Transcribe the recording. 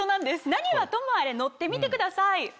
何はともあれ乗ってみてください。